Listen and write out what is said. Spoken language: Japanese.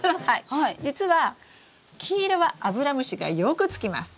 実は黄色はアブラムシがよくつきます。